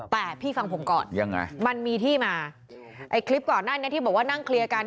แต่พี่ฟังผมก่อนยังไงมันมีที่มาไอ้คลิปก่อนหน้านี้ที่บอกว่านั่งเคลียร์กัน